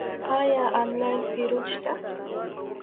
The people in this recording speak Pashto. آیا آنلاین پیرود شته؟